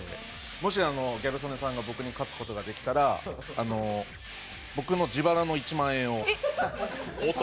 もしギャル曽根さんが僕に勝つことができたら、僕の自腹の１万円をプレゼント。